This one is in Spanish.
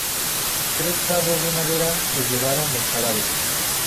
Tres carros de madera se llevaron los cadáveres.